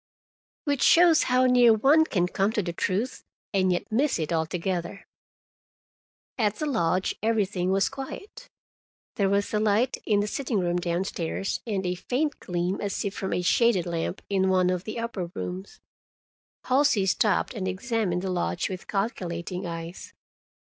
Which shows how near one can come to the truth, and yet miss it altogether. At the lodge everything was quiet. There was a light in the sitting room down stairs, and a faint gleam, as if from a shaded lamp, in one of the upper rooms. Halsey stopped and examined the lodge with calculating eyes.